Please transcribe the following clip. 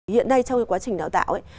hiện nay trong cái quá trình đào tạo ấy